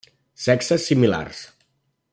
Sexes similars.